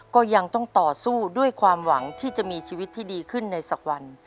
ก็ยังต้องต่อสู้ด้วยความหวังที่จะมีชีวิตที่ดีขึ้นในสักวัน